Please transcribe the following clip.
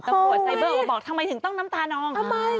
ตำรวจไซเบอร์ก็บอกทำไมถึงต้องน้ำตานอง